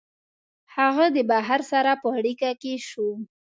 هغه د بهر سره په اړیکه کي سو